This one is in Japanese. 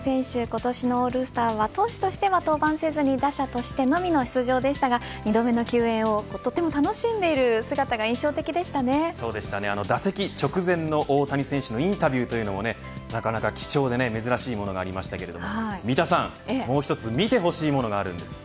今年のオールスターは投手としては登板せずに打者としてのみの出場でしたが２度目の球宴をとても楽しんでいる姿が打席直前の大谷選手のインタビューもなかなか貴重で珍しいものがありましたけど三田さん、もう一つ見てほしいものがあるんです。